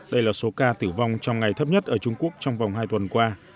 đây là số ca tử vong trong ngày thấp nhất ở trung quốc trong vòng hai tuần qua